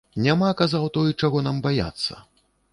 Няма, казаў той, чаго нам баяцца.